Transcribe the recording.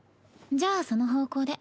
じゃあその方向で。